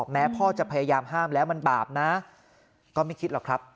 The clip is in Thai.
แม้พ่อจะพยายามห้ามแล้วมันบาปนะก็ไม่คิดหรอกครับ